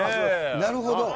なるほど。